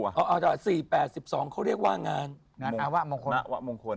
๔๘๒เขาเรียกว่างานอาวะมงคล